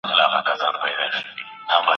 هم لوېدلی یې له پامه د خپلوانو